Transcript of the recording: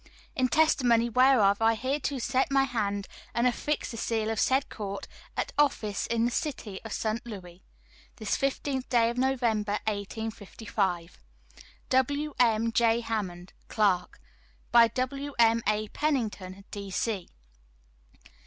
"In testimony whereof I hereto set my hand and affix the seal of said court, at office in the City of St. Louis, this fifteenth day of November, 1855. "WM. J. HAMMOND, Clerk. "By WM. A. PENNINGTON, D.C."